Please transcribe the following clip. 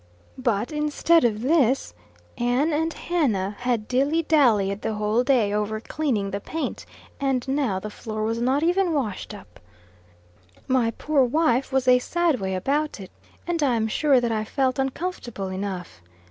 But, instead of this, Ann and Hannah had "dilly dallied" the whole day over cleaning the paint, and now the floor was not even washed up. My poor wife was a sad way about it; and I am sure that I felt uncomfortable enough.